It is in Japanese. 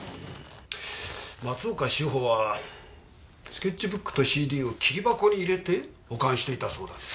松岡志保はスケッチブックとＣＤを桐箱に入れて保管していたそうだね。